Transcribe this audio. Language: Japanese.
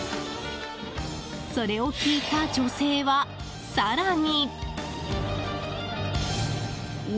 それを聞いた女性は、更に。